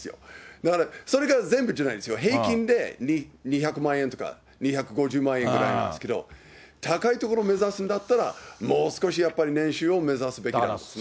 だから、それが全部じゃないんですよ、平均で２００万円とか、２５０万円ぐらいなんですけど、高いところ目指すんだったら、もう少しやっぱり年収を目指すべきなんですね。